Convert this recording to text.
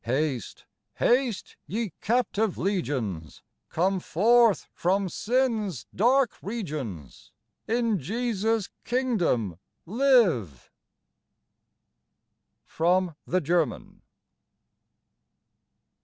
Haste, haste, ye captive legions ! Come forth from sin's dark regions : In Jesus' kingdom live. From the German.